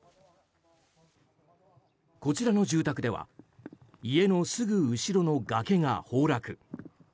こちらの住宅では家のすぐ後ろの崖が崩落。